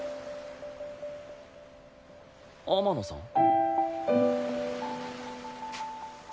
天野さん？